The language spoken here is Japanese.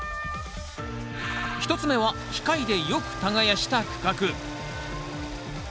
１つ目は機械でよく耕した区画。